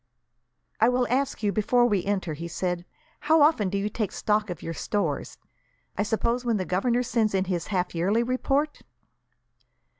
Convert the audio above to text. "I will ask you, before we enter," he said, "how often do you take stock of your stores? I suppose when the governor sends in his half yearly report?"